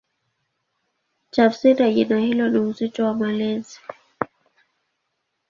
Tafsiri ya jina hilo ni "Uzito wa Malezi".